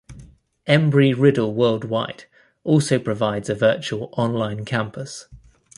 Embry-Riddle Worldwide also provides a virtual "online campus".